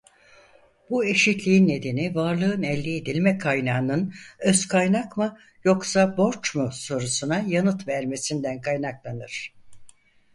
Bu eşitliğin nedeni varlığın elde edilme kaynağının özkaynak mı yoksa borç mu sorusuna yanıt vermesinden kaynaklanır.